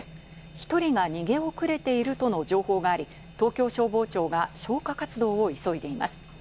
１人が逃げ遅れているとの情報があり、東京消防庁が消火活動を急いでいます。